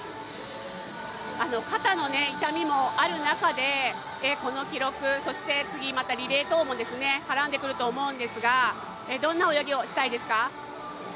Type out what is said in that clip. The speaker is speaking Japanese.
肩の痛みもある中でこの記録、そして次、またリレーとも絡んでくると思うんですが、どんな泳ぎをしたいですか？